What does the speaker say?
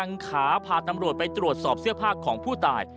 ขาพาตำรวจไปตรวจสอบเสื้อผ้าของผู้ตาย